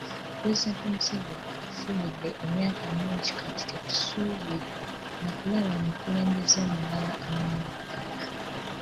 Pulezidenti Museveni atufugidde emyaka mingi kati tetusuubira na kulaba mukulembeze mulala amangu ddala.